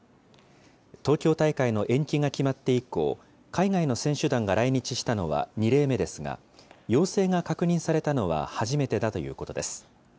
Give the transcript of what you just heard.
東京大会の延期が決まって以降、海外の選手団が来日したのは２例目ですが、陽性が確認されたのは、初めてだということです。